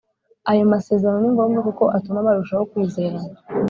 ayo masezerano ni ngombwa kuko atuma barushaho kwizerana